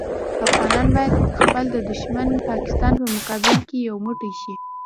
افغانان باید خپل د دوښمن پاکستان په مقابل کې یو موټی شي.